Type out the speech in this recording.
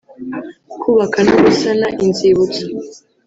kubaka no gusana inzibutso